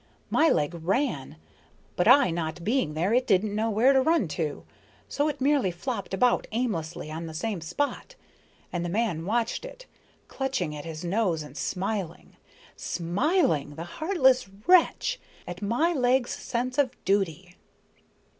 My leg ran, but I not being there it didn't know where to run to, so it merely flopped about aimlessly on the same spot, and the man watched it, clutching at his nose and smiling smiling, the heartless wretch! at my leg's sense of duty."